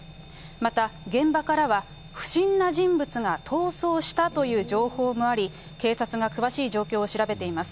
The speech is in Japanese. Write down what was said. また現場からは不審な人物が逃走したという情報もあり、警察が詳しい状況を調べています。